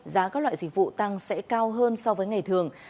giá các loại dịch vụ tăng sẽ cao hơn so với ngày thường